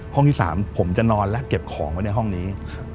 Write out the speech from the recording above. ที่๓ผมจะนอนและเก็บของไว้ในห้องนี้